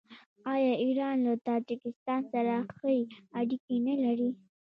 آیا ایران له تاجکستان سره ښې اړیکې نلري؟